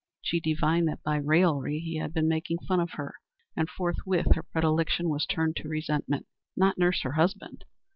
She divined that by his raillery he had been making fun of her, and forthwith her predilection was turned to resentment. Not nurse her husband?